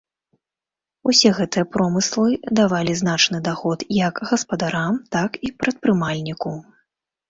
Усе гэтыя промыслы давалі значны даход як гаспадарам, так і прадпрымальніку.